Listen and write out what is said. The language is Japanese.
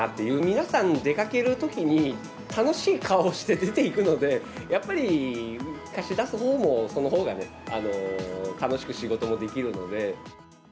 皆さん出かけるときに、楽しい顔をして出ていくので、やっぱり貸し出すほうも、そのほうが楽しく仕事もできるので。